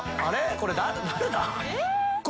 これ誰だ？え？